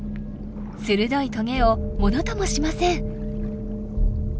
鋭いトゲをものともしません。